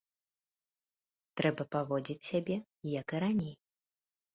Трэба паводзіць сябе, як і раней.